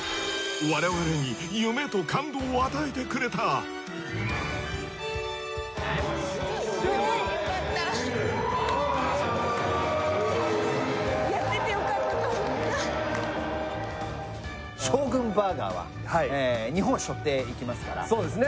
我々に夢と感動を与えてくれたねえよかった日本を背負って行きますからそうですね